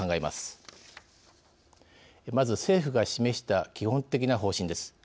まず、政府が示した基本的な方針です。